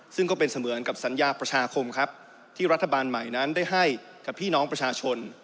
ซึ่งก็เป็นเสมือนกับสัญญาประชาคมครับที่รัฐบาลใหม่นั้นได้ให้กับพี่น้องประชาชน